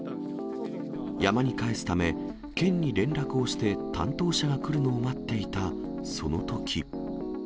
山に返すため、県に連絡をして、担当者が来るのを待っていたそのとき。